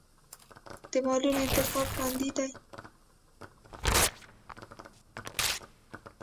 د مالونو انتقال خوندي دی